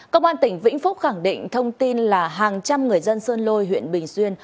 công an tỉnh vĩnh phúc khẳng định thông tin là hàng trăm người dân sơn lôi huyện bình xuyên